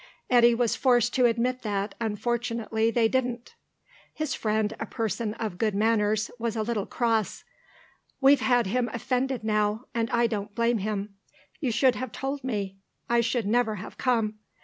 Eddy was forced to admit that, unfortunately, they didn't. His friend, a person of good manners, was a little cross. "We've had him offended now, and I don't blame him. You should have told me. I should never have come.